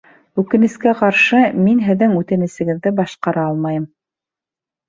Үкенескә ҡаршы, мин һеҙҙең үтенесегеҙҙе башҡара алмайым.